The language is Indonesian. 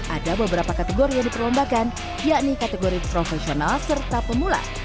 ada beberapa kategori yang diperlombakan yakni kategori profesional serta pemula